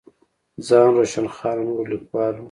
خان روشن خان او نورو ليکوالو